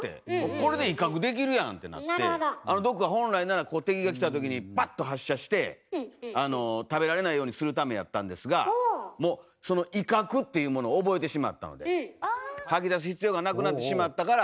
これで威嚇できるやんってなって毒が本来ならこう敵が来た時にバッと発射して食べられないようにするためやったんですがもうその吐き出す必要がなくなってしまったから。